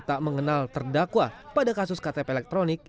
tak mengenal terdakwa pada kasus ktp elektronik